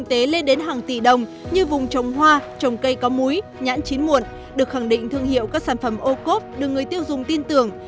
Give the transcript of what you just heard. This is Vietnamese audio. y tế lên đến hàng tỷ đồng như vùng trồng hoa trồng cây có múi nhãn chín muộn được khẳng định thương hiệu các sản phẩm ô cốp được người tiêu dùng tin tưởng